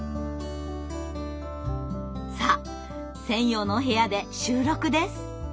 さあ専用の部屋で収録です。